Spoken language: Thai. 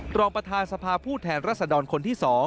รองประธานสภาผู้แทนรัศดรคนที่๒